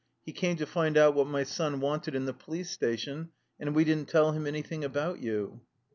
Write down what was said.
He came to find out what my son wanted in the police station and we didn't tell him anything about you."